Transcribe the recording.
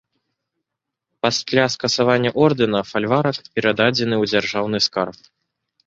Пасля скасавання ордэна, фальварак перададзены ў дзяржаўны скарб.